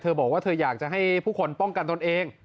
บอกว่าเธออยากจะให้ผู้คนป้องกันตนเอง